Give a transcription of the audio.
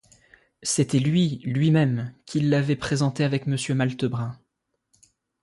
C’était lui, lui-même, qui l’avait présenté avec Monsieur Malte-Brun!